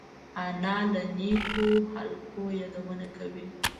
انا له نیکو خلقو یادونه کوي